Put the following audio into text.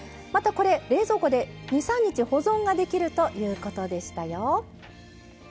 またこれ冷蔵庫で２３日保存ができるということでしたよ。